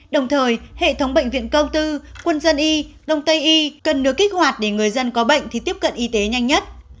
đồng thời hệ thống bệnh viện công tư quân dân y đông tây y cần được kích hoạt để người dân có bệnh thì tiếp cận y tế nhanh nhất